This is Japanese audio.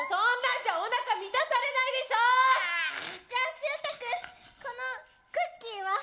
じゃあしゅうた君このクッキーは？